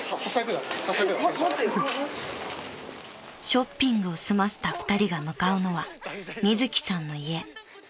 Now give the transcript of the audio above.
［ショッピングを済ませた２人が向かうのはみずきさんの家］